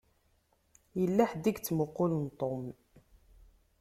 Yella ḥedd i yettmuqqulen Tom.